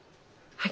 はい。